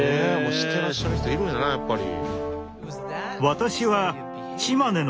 してらっしゃる人いるんやなやっぱり。